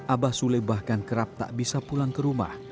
abah sule bahkan kerap tak bisa pulang ke rumah